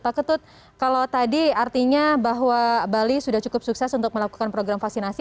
pak ketut kalau tadi artinya bahwa bali sudah cukup sukses untuk melakukan program vaksinasi